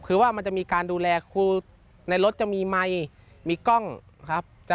คือว่ามันจะมีการดูแลครูในรถจะมีไมค์มีกล้องครับ